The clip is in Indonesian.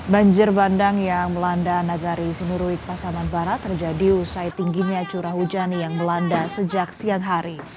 banjir bandang yang melanda nagari sinurui pasaman barat terjadi usai tingginya curah hujan yang melanda sejak siang hari